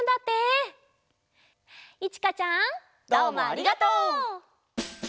どうもありがとう！